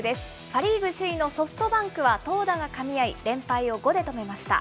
パ・リーグ首位のソフトバンクは投打がかみ合い、連敗を５で止めました。